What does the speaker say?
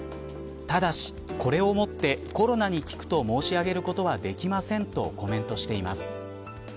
ただし、これをもってコロナに効くと申し上げることはできませんとコメントしています。